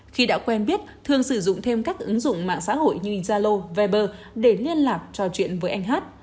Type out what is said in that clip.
khi đã quen biết thương sử dụng thêm các ứng dụng mạng xã hội như yalo viber để liên lạc trò chuyện với anh hát